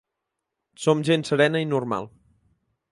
Som gent serena i normal.